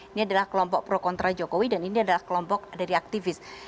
ini adalah kelompok pro kontra jokowi dan ini adalah kelompok dari aktivis